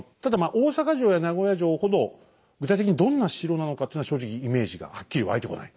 大坂城や名古屋城ほど具体的にどんな城なのかっていうのは正直イメージがはっきり湧いてこない。